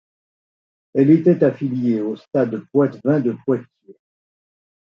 Elle était affiliée au Stade Poitevin de Poitiers.